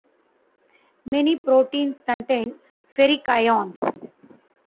Many proteins contain ferric ions.